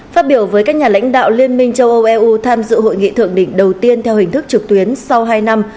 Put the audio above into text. phát biểu với các nhà lãnh đạo liên minh châu âu eu tham dự hội nghị thượng đỉnh đầu tiên theo hình thức trực tuyến sau hai năm